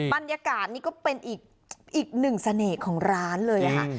ปัญญากาศนี่ก็เป็นอีก๑สเนกของร้านเลยค่ะ